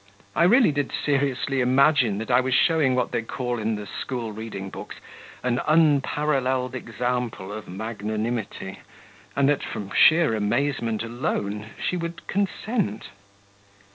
I really did seriously imagine that I was showing what they call in the school reading books an unparalleled example of magnanimity, and that, from sheer amazement alone, she would consent.